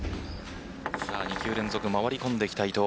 ２球連続、回り込んできた伊藤。